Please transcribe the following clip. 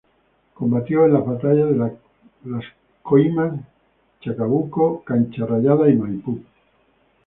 Combatió en las batallas de Las Coimas, Chacabuco, Cancha Rayada y Maipú.